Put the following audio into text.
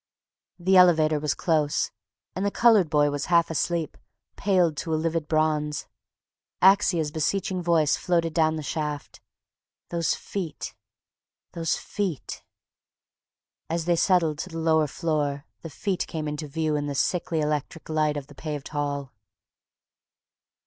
The elevator was close, and the colored boy was half asleep, paled to a livid bronze... Axia's beseeching voice floated down the shaft. Those feet... those feet... As they settled to the lower floor the feet came into view in the sickly electric light of the paved hall.